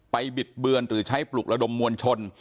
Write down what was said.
บิดเบือนหรือใช้ปลุกระดมมวลชน